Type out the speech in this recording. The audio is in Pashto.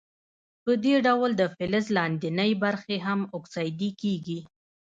په دې ډول د فلز لاندینۍ برخې هم اکسیدي کیږي.